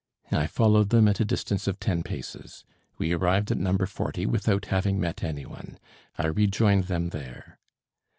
I followed them at a distance of ten paces. We arrived at No. 40 without having met any one. I rejoined them there.